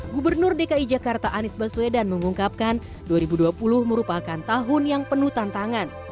gubernur dki jakarta anies baswedan mengungkapkan dua ribu dua puluh merupakan tahun yang penuh tantangan